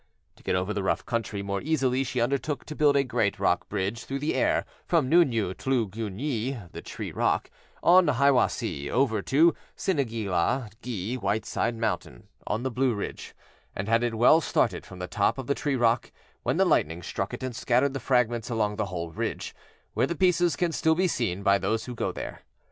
To get over the rough country more easily she undertook to build a great rock bridge through the air from Nûñyû' tlu`gûñ'yi, the "Tree rock," on Hiwassee, over to Sanigilâ'gi (Whiteside mountain), on the Blue ridge, and had it well started from the top of the "Tree rock" when the lightning struck it and scattered the fragments along the whole ridge, where the pieces can still be seen by those who go there.